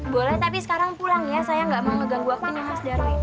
boleh tapi sekarang pulang ya saya nggak mau ngegang waktunya mas darwi